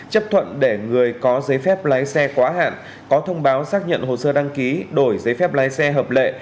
chấp thuận để người có giấy phép lái xe quá hạn có thông báo xác nhận hồ sơ đăng ký đổi giấy phép lái xe hợp lệ